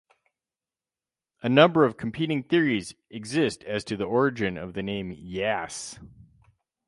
A number of competing theories exist as to the origin of the name "Yass".